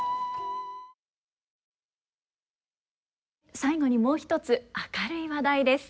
最後にもう一つ明るい話題です。